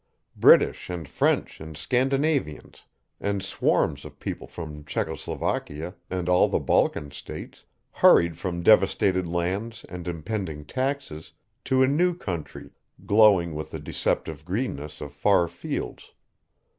British and French and Scandinavians and swarms of people from Czecho Slovakia and all the Balkan States, hurried from devastated lands and impending taxes to a new country glowing with the deceptive greenness of far fields.